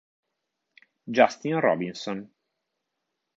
Justin Robinson